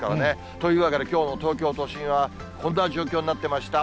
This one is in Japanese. というわけで、きょうの東京都心は、こんな状況になっていました。